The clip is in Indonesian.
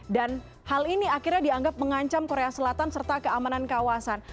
dan hal ini akhirnya dianggap mengancam korea selatan serta keamanan kawasan